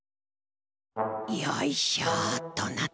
よいしょっとなっと。